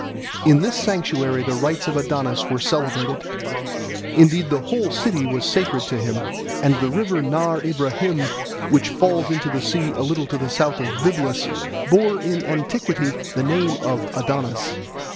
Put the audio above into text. In this sanctuary the rites of Adonis were celebrated. Indeed the whole city was sacred to him, and the river Nahr Ibrahim, which falls into the sea a little to the south of Byblus, bore in antiquity the name of Adonis.